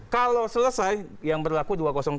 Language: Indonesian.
kalau selesai yang berlaku dua ratus tujuh